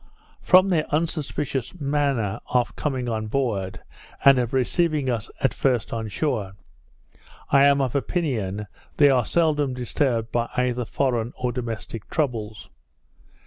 From their unsuspicious manner of coming on board, and of receiving us at first on shore, I am of opinion, they are seldom disturbed by either foreign or domestic troubles.